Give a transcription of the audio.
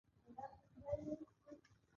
تجويز لفظ سم دے وړانديز غلط دے